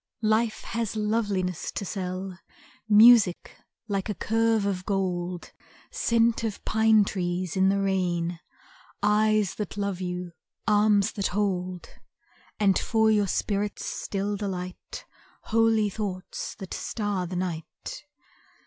Life has loveliness to sell, Music like a curve of gold, Scent of pine trees in the rain, Eyes that love you, arms that hold, And for your spirit's still delight, Holy thoughts that star the night.